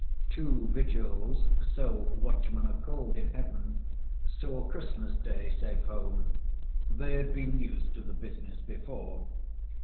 Two Vigils—so watchmen are called in heaven—saw Christmas Day safe home—they had been used to the business before.